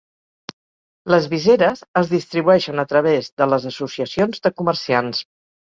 Les viseres es distribueixen a través de les associacions de comerciants.